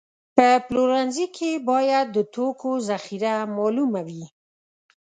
په پلورنځي کې باید د توکو ذخیره معلومه وي.